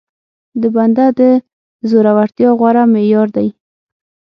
د بنده د زورورتيا غوره معيار دی.